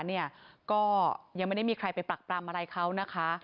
เนี่ยก็ยังไม่ได้มีใครไปปรักปรำอะไรเขานะคะ